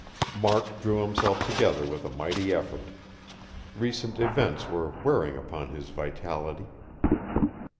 Mark drew himself together with a mighty effort. Recent events were wearing upon his vitality.